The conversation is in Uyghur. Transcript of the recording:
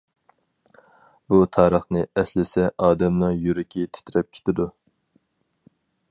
بۇ تارىخنى ئەسلىسە ئادەمنىڭ يۈرىكى تىترەپ كېتىدۇ.